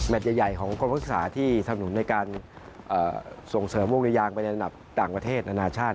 ใหญ่ของกรมศึกษาที่ทำหนุนในการส่งเสริมวงระยางไปในระดับต่างประเทศนานาชาติ